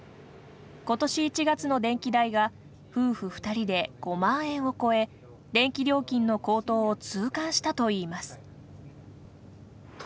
今年１月の電気代が夫婦２人で５万円を超え電気料金の高騰を痛感したといいます。